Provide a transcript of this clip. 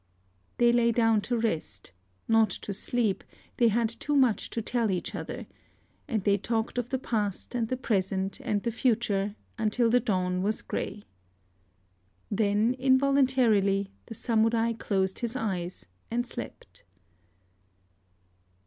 They lay down to rest, not to sleep: they had too much to tell each other; and they talked of the past and the present and the future, until the dawn was grey. Then, involuntarily, the Samurai closed his eyes, and slept.